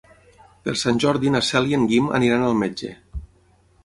Per Sant Jordi na Cel i en Guim aniran al metge.